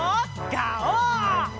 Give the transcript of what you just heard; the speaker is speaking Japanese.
ガオー！